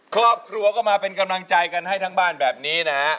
ครอบครัวก็มาเป็นกำลังใจกันให้ทั้งบ้านแบบนี้นะฮะ